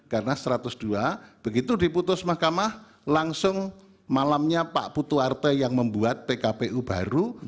karena satu ratus dua begitu diputus mahkamah langsung malamnya pak putu arte yang membuat pkpu baru